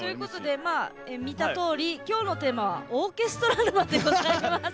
見たとおり今日のテーマは「オーケストラ沼」でございます。